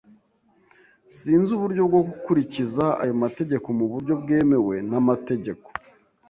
Sinzi uburyo bwo gukurikiza ayo mategeko mu buryo bwemewe n'amategeko.